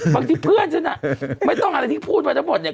ที่เพื่อนฉันน่ะไม่ต้องอะไรที่พูดมาทั้งหมดเนี่ย